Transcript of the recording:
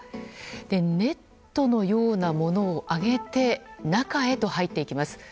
ネットのようなものを上げて中へと入っていきます。